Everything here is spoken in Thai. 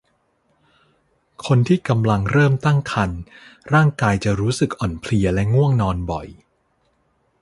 คนที่กำลังเริ่มตั้งครรภ์ร่างกายจะรู้สึกอ่อนเพลียและง่วงนอนบ่อย